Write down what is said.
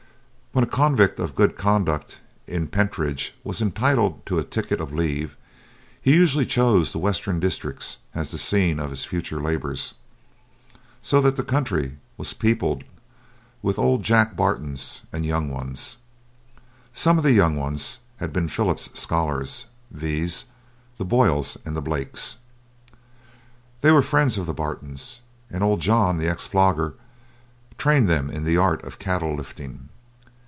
When a convict of good conduct in Pentridge was entitled to a ticket of leave, he usually chose the Western district as the scene of his future labours, so that the country was peopled with old Jack Bartons and young ones. Some of the young ones had been Philip's scholars viz., the Boyles and the Blakes. They were friends of the Bartons, and Old John, the ex flogger, trained them in the art of cattle lifting.